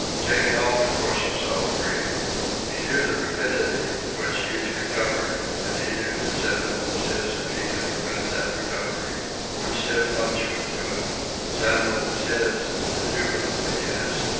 King helped to force himself free. He knew the rapidity with which Youth recovered, and he knew that Sandel was his if he could prevent that recovery. One stiff punch would do it. Sandel was his, indubitably his.